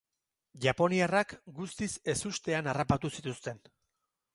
Japoniarrak guztiz ezustean harrapatu zituzten.